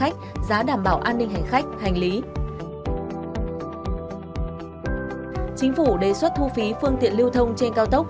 chính phủ đề xuất thu phí phương tiện lưu thông trên cao tốc